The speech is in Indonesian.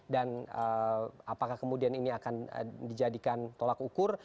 dan apakah kemudian ini akan dijadikan tolak ukur